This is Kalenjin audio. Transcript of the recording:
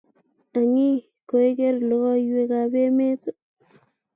Angi? Koikeer lokoiywek ab emeet?